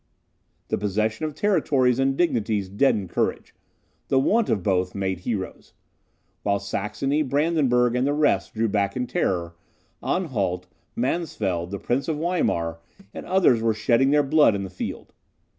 The possession of territories and dignities deadened courage; the want of both made heroes. While Saxony, Brandenburg, and the rest drew back in terror, Anhalt, Mansfeld, the Prince of Weimar and others were shedding their blood in the field.